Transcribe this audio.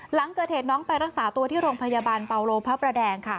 หลังเกิดเหตุน้องไปรักษาตัวที่โรงพยาบาลเปาโลพระประแดงค่ะ